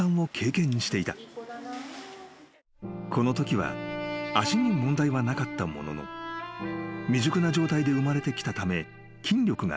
［このときは脚に問題はなかったものの未熟な状態で生まれてきたため筋力がなく立てなかった］